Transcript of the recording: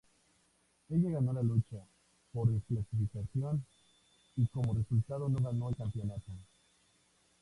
Ella ganó la lucha por descalificación, y como resultado, no ganó el campeonato.